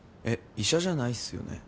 医者じゃないっすよね？